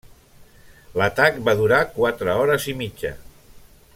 L'atac va durar quatre hores i mitja.